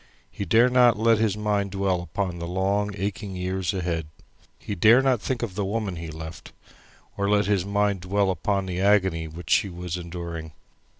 He dare not let his mind dwell upon the long aching years ahead. He dare not think of the woman he left, or let his mind dwell upon the agony which she was enduring.